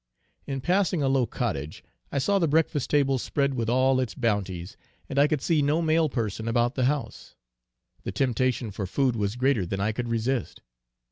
In passing a low cottage, I saw the breakfast table spread with all its bounties, and I could see no male person about the house; the temptation for food was greater than I could resist.